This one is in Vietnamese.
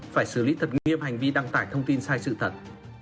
phải xử lý thật nghiêm hành vi đăng tải thông tin sai sự thật